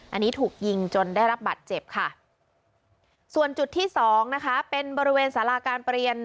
อันนี้ถูกยิงจนได้รับบัตรเจ็บค่ะส่วนจุดที่สองนะคะเป็นบริเวณสาราการประเรียน